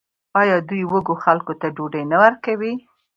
آیا دوی وږو خلکو ته ډوډۍ نه ورکوي؟